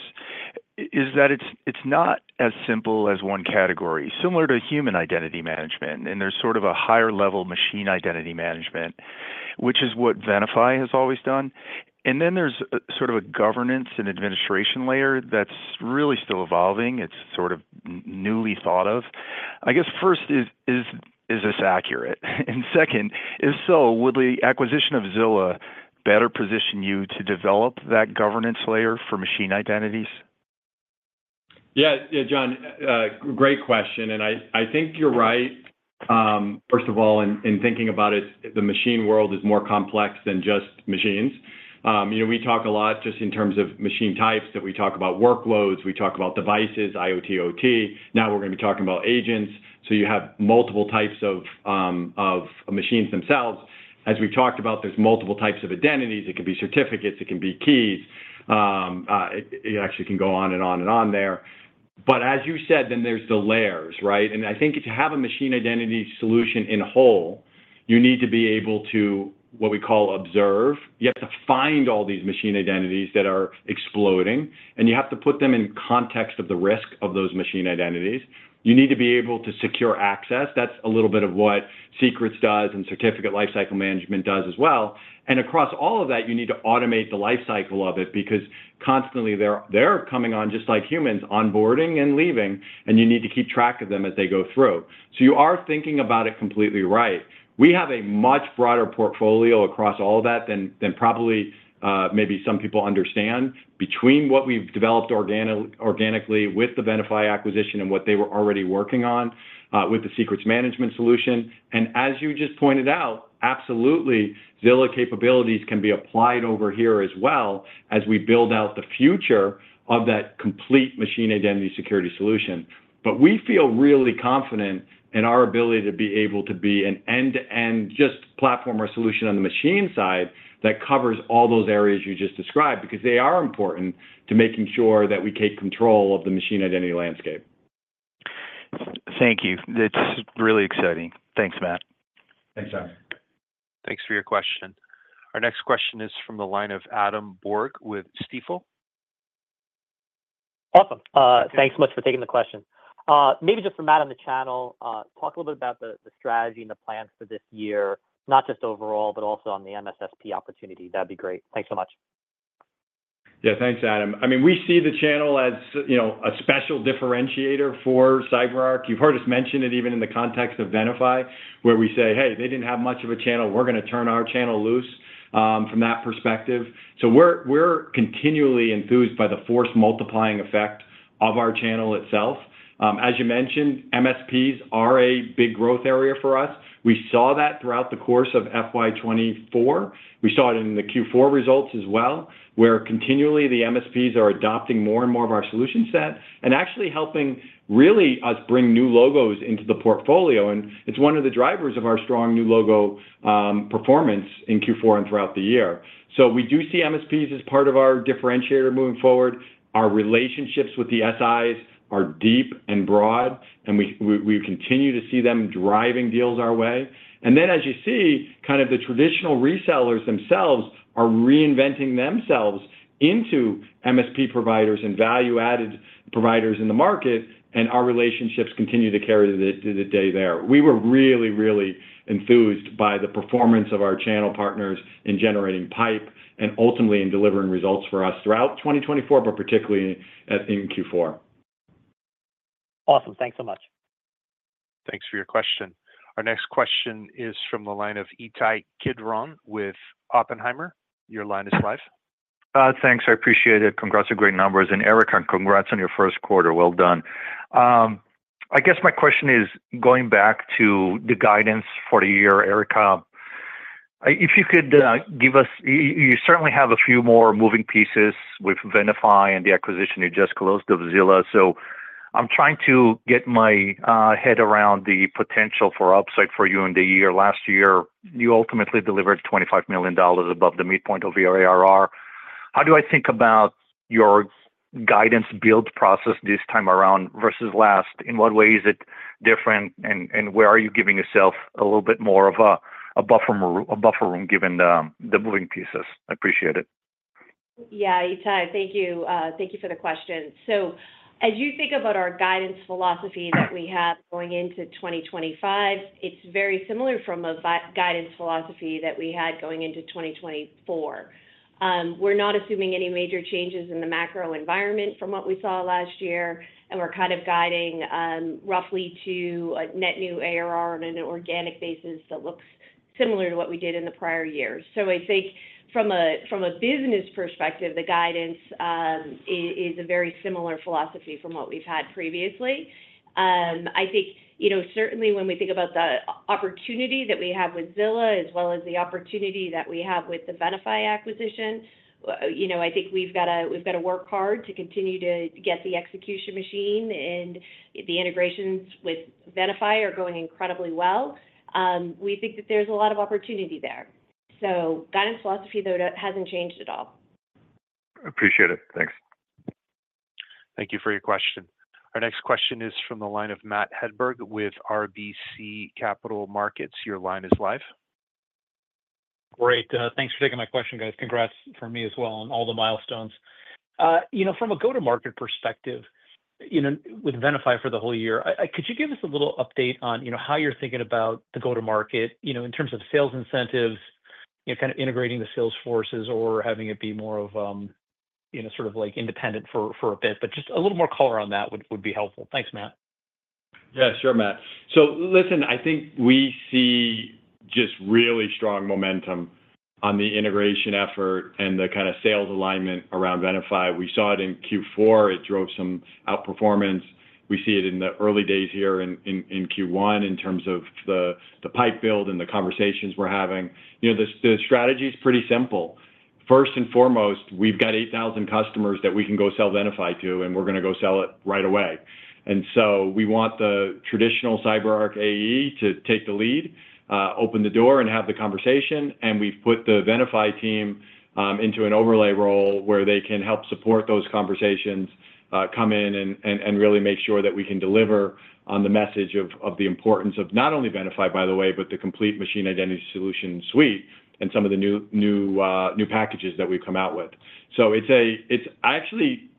is that it's not as simple as one category, similar to human identity management. And there's sort of a higher-level machine identity management, which is what Venafi has always done. And then there's sort of a governance and administration layer that's really still evolving. It's sort of newly thought of. I guess first, is this accurate? And second, if so, would the acquisition of Zilla better position you to develop that governance layer for machine identities? Yeah, John, great question. And I think you're right. First of all, in thinking about it, the machine world is more complex than just machines. We talk a lot just in terms of machine types that we talk about workloads. We talk about devices, IoT, OT. Now we're going to be talking about agents. So you have multiple types of machines themselves. As we talked about, there's multiple types of identities. It can be certificates. It can be keys. It actually can go on and on and on there. But as you said, then there's the layers, right? And I think to have a machine identity solution in whole, you need to be able to, what we call, observe. You have to find all these machine identities that are exploding. And you have to put them in context of the risk of those machine identities. You need to be able to secure access. That's a little bit of what secrets does and certificate lifecycle management does as well. And across all of that, you need to automate the lifecycle of it because constantly they're coming on just like humans, onboarding and leaving. And you need to keep track of them as they go through. So you are thinking about it completely right. We have a much broader portfolio across all of that than probably maybe some people understand between what we've developed organically with the Venafi acquisition and what they were already working on with the secrets management solution. And as you just pointed out, absolutely, Zilla capabilities can be applied over here as well as we build out the future of that complete machine identity security solution. But we feel really confident in our ability to be able to be an end-to-end just platform or solution on the machine side that covers all those areas you just described because they are important to making sure that we take control of the machine identity landscape. Thank you. It's really exciting. Thanks, Matt. Thanks, John. Thanks for your question. Our next question is from the line of Adam Borg with Stifel. Awesome. Thanks so much for taking the question. Maybe just for Matt on the channel, talk a little bit about the strategy and the plans for this year, not just overall, but also on the MSSP opportunity. That'd be great. Thanks so much. Yeah, thanks, Adam. I mean, we see the channel as a special differentiator for CyberArk. You've heard us mention it even in the context of Venafi, where we say, "Hey, they didn't have much of a channel. We're going to turn our channel loose from that perspective." So we're continually enthused by the force multiplying effect of our channel itself. As you mentioned, MSPs are a big growth area for us. We saw that throughout the course of FY24. We saw it in the Q4 results as well, where continually the MSPs are adopting more and more of our solution set and actually helping really us bring new logos into the portfolio. And it's one of the drivers of our strong new logo performance in Q4 and throughout the year. So we do see MSPs as part of our differentiator moving forward. Our relationships with the SIs are deep and broad, and we continue to see them driving deals our way. And then, as you see, kind of the traditional resellers themselves are reinventing themselves into MSP providers and value-added providers in the market, and our relationships continue to carry to the day there. We were really, really enthused by the performance of our channel partners in generating pipe and ultimately in delivering results for us throughout 2024, but particularly in Q4. Awesome. Thanks so much. Thanks for your question. Our next question is from the line of Itai Kidron with Oppenheimer. Your line is live. Thanks. I appreciate it. Congrats on great numbers. And Erica, congrats on your first quarter. Well done. I guess my question is going back to the guidance for the year, Erica. If you could give us, you certainly have a few more moving pieces with Venafi and the acquisition you just closed of Zilla. So I'm trying to get my head around the potential for upside for you in the year. Last year, you ultimately delivered $25 million above the midpoint of your ARR. How do I think about your guidance build process this time around versus last? In what way is it different? And where are you giving yourself a little bit more of a buffer room given the moving pieces? I appreciate it. Yeah, Itai, thank you. Thank you for the question. So as you think about our guidance philosophy that we have going into 2025, it's very similar from a guidance philosophy that we had going into 2024. We're not assuming any major changes in the macro environment from what we saw last year. And we're kind of guiding roughly to a net new ARR on an organic basis that looks similar to what we did in the prior year. So I think from a business perspective, the guidance is a very similar philosophy from what we've had previously. I think certainly when we think about the opportunity that we have with Zilla, as well as the opportunity that we have with the Venafi acquisition, I think we've got to work hard to continue to get the execution machine. And the integrations with Venafi are going incredibly well. We think that there's a lot of opportunity there. So guidance philosophy, though, hasn't changed at all. Appreciate it. Thanks. Thank you for your question. Our next question is from the line of Matt Hedberg with RBC Capital Markets. Your line is live. Great. Thanks for taking my question, guys. Congrats for me as well on all the milestones. From a go-to-market perspective with Venafi for the whole year, could you give us a little update on how you're thinking about the go-to-market in terms of sales incentives, kind of integrating the sales forces or having it be more of sort of independent for a bit? But just a little more color on that would be helpful. Thanks, Matt. Yeah, sure, Matt. So listen, I think we see just really strong momentum on the integration effort and the kind of sales alignment around Venafi. We saw it in Q4. It drove some outperformance. We see it in the early days here in Q1 in terms of the pipe build and the conversations we're having. The strategy is pretty simple. First and foremost, we've got 8,000 customers that we can go sell Venafi to, and we're going to go sell it right away. And so we want the traditional CyberArk AE to take the lead, open the door, and have the conversation. And we've put the Venafi team into an overlay role where they can help support those conversations, come in, and really make sure that we can deliver on the message of the importance of not only Venafi, by the way, but the complete machine identity solution suite and some of the new packages that we've come out with. So I'm actually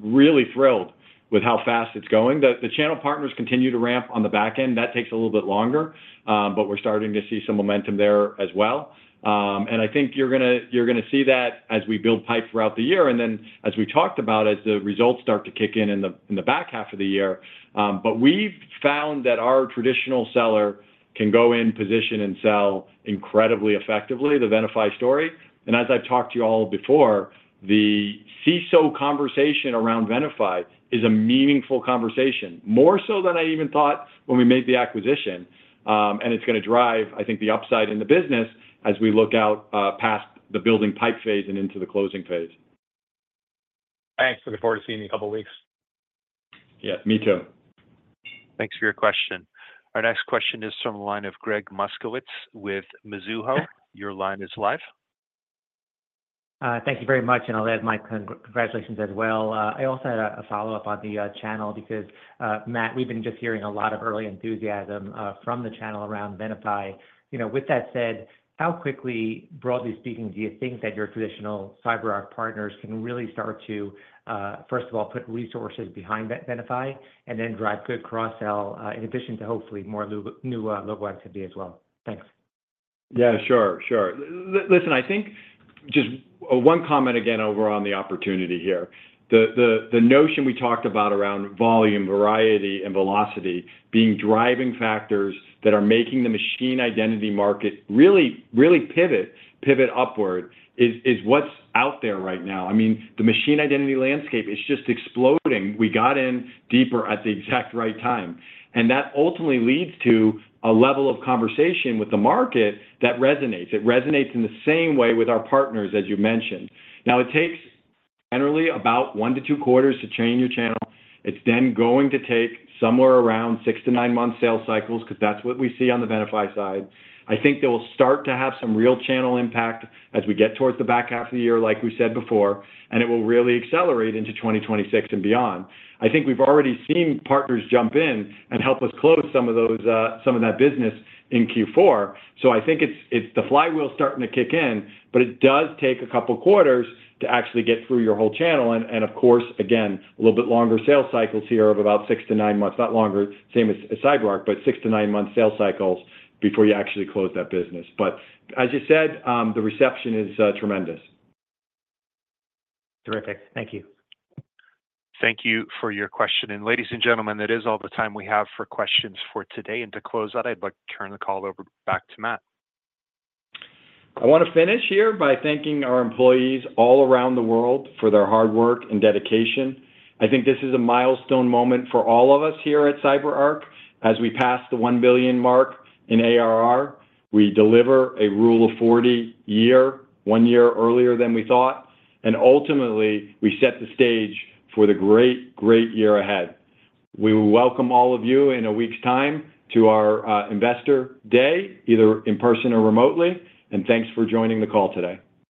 really thrilled with how fast it's going. The channel partners continue to ramp on the back end. That takes a little bit longer, but we're starting to see some momentum there as well. And I think you're going to see that as we build pipe throughout the year and then as we talked about as the results start to kick in in the back half of the year. But we've found that our traditional seller can go in, position, and sell incredibly effectively, the Venafi story. And as I've talked to you all before, the CISO conversation around Venafi is a meaningful conversation, more so than I even thought when we made the acquisition. And it's going to drive, I think, the upside in the business as we look out past the building pipe phase and into the closing phase. Thanks. Looking forward to seeing you in a couple of weeks. Yeah, me too. Thanks for your question. Our next question is from the line of Gregg Moskowitz with Mizuho. Your line is live. Thank you very much, and I'll add my congratulations as well. I also had a follow-up on the channel because, Matt, we've been just hearing a lot of early enthusiasm from the channel around Venafi. With that said, how quickly, broadly speaking, do you think that your traditional CyberArk partners can really start to, first of all, put resources behind Venafi and then drive good cross-sell in addition to hopefully more new logo activity as well? Thanks. Yeah, sure. Sure. Listen, I think just one comment again over on the opportunity here. The notion we talked about around volume, variety, and velocity being driving factors that are making the machine identity market really pivot upward is what's out there right now. I mean, the machine identity landscape is just exploding. We got in deeper at the exact right time. And that ultimately leads to a level of conversation with the market that resonates. It resonates in the same way with our partners, as you mentioned. Now, it takes generally about one to two quarters to train your channel. It's then going to take somewhere around six to nine months sales cycles because that's what we see on the Venafi side. I think they will start to have some real channel impact as we get towards the back half of the year, like we said before. And it will really accelerate into 2026 and beyond. I think we've already seen partners jump in and help us close some of that business in Q4. So I think the flywheel is starting to kick in, but it does take a couple of quarters to actually get through your whole channel. And of course, again, a little bit longer sales cycles here of about six to nine months, not longer, same as CyberArk, but six to nine months sales cycles before you actually close that business. But as you said, the reception is tremendous. Terrific. Thank you. Thank you for your question. And ladies and gentlemen, that is all the time we have for questions for today. And to close that, I'd like to turn the call over back to Matt. I want to finish here by thanking our employees all around the world for their hard work and dedication. I think this is a milestone moment for all of us here at CyberArk. As we pass the one billion mark in ARR, we deliver a Rule of 40 year, one year earlier than we thought. And ultimately, we set the stage for the great, great year ahead. We will welcome all of you in a week's time to our investor day, either in person or remotely, and thanks for joining the call today.